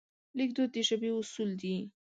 لیکدود د ژبې اصول دي.